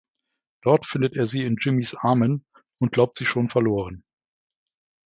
Dort findet er sie in Jimmys Armen und glaubt sie schon verloren.